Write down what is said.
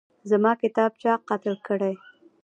زما کتاب چا قتل کړی